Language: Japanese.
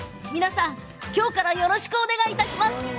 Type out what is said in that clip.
皆さん、きょうからよろしくお願いいたします！